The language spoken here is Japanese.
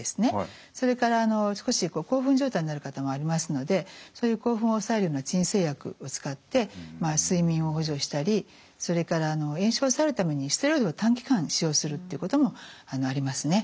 それから少し興奮状態になる方もありますのでそういう興奮を抑えるような鎮静薬を使ってまあ睡眠を補助したりそれから炎症を抑えるためにステロイドを短期間使用するっていうこともありますね。